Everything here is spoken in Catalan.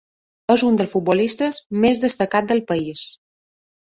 És un dels futbolistes més destacats del país.